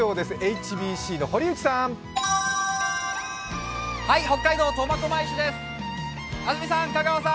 ＨＢＣの堀内さん。